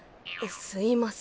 すいません。